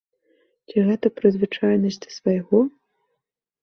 Ці гэта прызвычаенасць да свайго?